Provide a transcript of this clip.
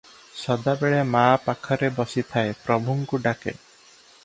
ସଦାବେଳେ ମାଆପାଖରେ ବସିଥାଏ, ପ୍ରଭୁଙ୍କୁ ଡାକେ ।